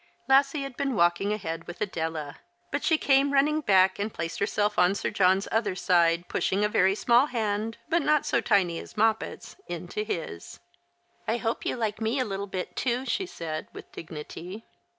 Lassie had been walking ahead with xVdela, but she came running back and placed herself on Sir John's other side, pushing a very small hand, but not so tiny as Moppet's, into his. " I hope you like me a little bit, too," she said with dignity.